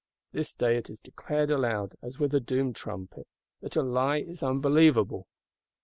This day it is declared aloud, as with a Doom trumpet, that a Lie is unbelievable.